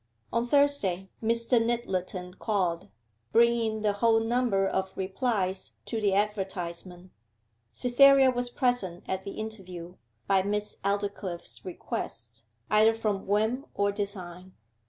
On Thursday Mr. Nyttleton called, bringing the whole number of replies to the advertisement. Cytherea was present at the interview, by Miss Aldclyffe's request either from whim or design.